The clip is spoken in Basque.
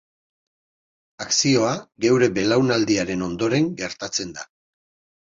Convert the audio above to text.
Akzioa geure belaunaldiaren ondoren gertatzen da.